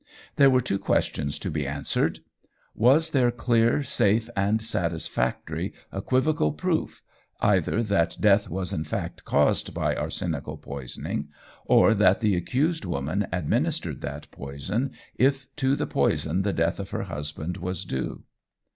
There were two questions to be answered: Was there clear, safe, and satisfactory equivocal proof, either that death was in fact caused by arsenical poisoning, or that the accused woman administered that poison if to the poison the death of her husband was due?